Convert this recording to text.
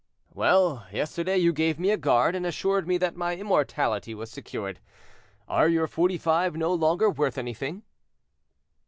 "Well, yesterday you gave me a guard, and assured me that my immortality was secured. Are your Forty five no longer worth anything?"